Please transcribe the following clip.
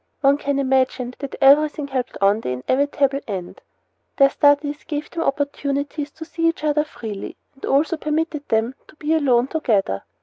One can imagine that everything helped on the inevitable end. Their studies gave them opportunities to see each other freely, and also permitted them to be alone together.